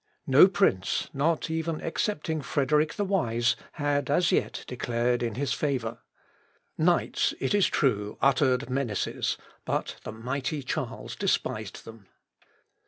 No prince, not even excepting Frederick the Wise, had as yet declared in his favour. Knights, it is true, uttered menaces, but the mighty Charles despised them.